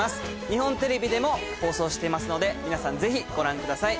日本テレビでも放送してますので皆さんぜひご覧ください。